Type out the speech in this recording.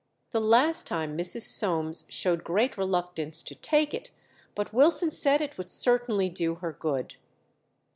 The last time Mrs. Soames showed great reluctance to take it, but Wilson said it would certainly do her good.